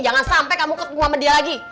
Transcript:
jangan sampai kamu ketemu sama dia lagi